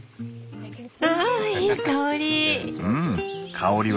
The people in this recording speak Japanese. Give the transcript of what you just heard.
わあいい香り！